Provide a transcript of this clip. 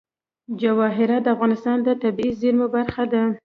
جواهرات د افغانستان د طبیعي زیرمو برخه ده.